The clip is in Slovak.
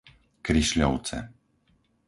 Krišľovce